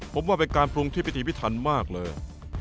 ผมว่าเป็นการปรุงที่พิธีพิทันมากเลย